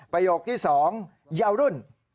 ประโยคที่๒เยาวรุ่น